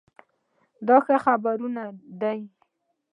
دا ښه خپرونه ده؟